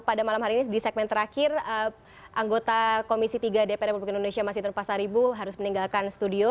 pada malam hari ini di segmen terakhir anggota komisi tiga dprm indonesia masih terpaksa ribu harus meninggalkan studio